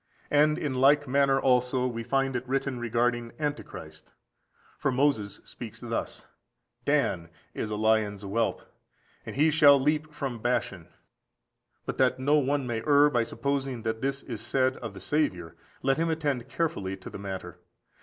And in like manner also we find it written regarding Antichrist. For Moses speaks thus: "Dan is a lion's whelp, and he shall leap from Bashan."14301430 Deut. xxxiii. 22. But that no one may err by supposing that this is said of the Saviour, let him attend carefully to the matter.